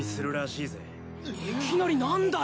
いきなり何だよ！